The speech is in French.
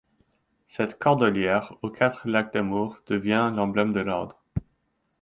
Cette cordelière aux quatre lacs d’amour devint l’emblème de l’Ordre.